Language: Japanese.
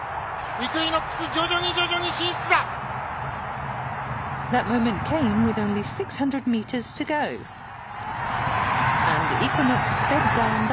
イクイノックス徐々に徐々に進出だ。